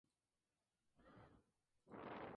Cumplió una condena de varios años.